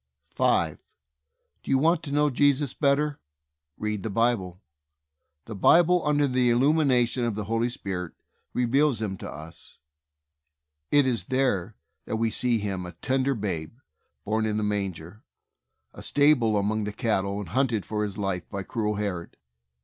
5. Do you want to know Jesus better? Read the Bible. The Bible, under the il lumination of the Holy Spirit, reveals Him to us. It is there that we see Him a tender babe, born in a manger, in a stable among the cattle, and hunted for His life by cruel Herod.